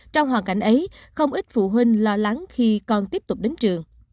trong hoàn cảnh ấy không ít phụ huynh lo lắng khi con tiếp tục đến trường